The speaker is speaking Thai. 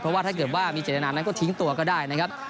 เพราะว่าถ้าเกิดว่ามีเจตนานั้นก็ทิ้งตัวก็ได้นะครับ